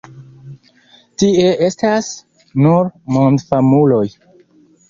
Tie estas nur mondfamuloj.